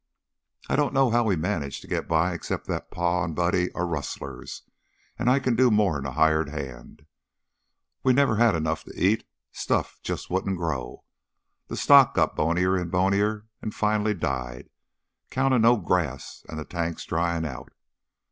I don't know how we managed to get by except that Pa and Buddy are rustlers and I can do more 'n a hired man. We never had enough to eat. Stuff just wouldn't grow. The stock got bonier and bonier and finally died, 'count of no grass and the tanks dryin' out.